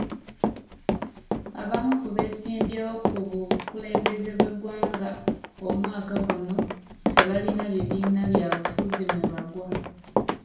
Abamu ku beesimbyewo ku bukulembeze bw'eggwanga omwaka guno tebalina bibiina byabufuzi mwe bagwa.